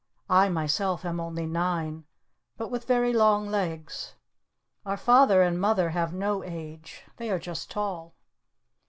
I myself am only nine. But with very long legs. Our Father and Mother have no age. They are just tall.